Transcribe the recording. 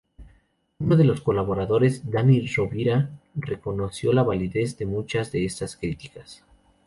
Uno de los colaboradores, Dani Rovira, reconoció la validez de muchas de estas críticas.